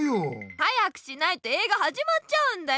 早くしないと映画はじまっちゃうんだよ！